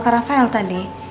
karena rafael tadi